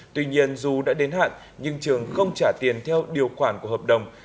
tuy nhiên dù đã đến hạn nhưng trường không trả tiền theo điều khoản của hợp đồng